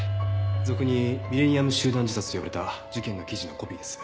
俗に「ミレニアム集団自殺」と呼ばれた事件の記事のコピーです。